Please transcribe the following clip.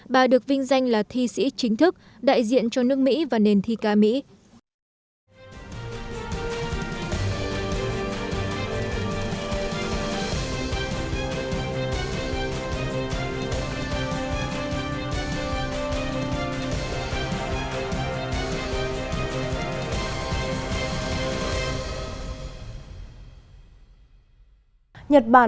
bà được vinh danh là thi sĩ chính thức đại diện cho nước mỹ và nền thi ca mỹ